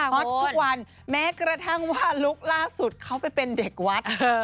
ฮอตทุกวันแม้กระทั่งว่าลุคล่าสุดเขาไปเป็นเด็กวัด